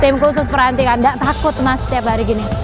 tim khusus perantingan tak takut mas setiap hari gini